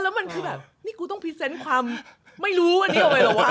แล้วมันคือแบบนี่กูต้องพรีเซนต์ความไม่รู้อันนี้เอาไว้เหรอวะ